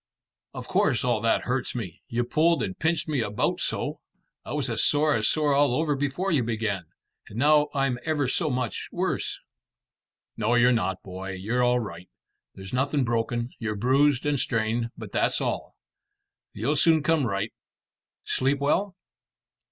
"Of course all that hurts me; you pulled and pinched me about so. I was as sore as sore all over before you began, and now I'm ever so much worse." "No, you're not, boy. You're all right. There's nothing broken. You're bruised and strained, but that's all. You'll soon come right. Sleep well?"